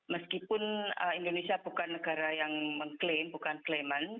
meskipun indonesia bukan negara yang mengklaim bukan klaim